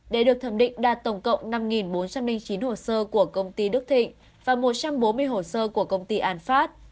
để được thẩm định đạt tổng cộng năm bốn trăm linh chín hồ sơ của công ty đức thịnh và một trăm bốn mươi hồ sơ của công ty an phát